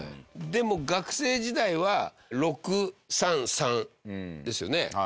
でも学生時代は６３３ですよね。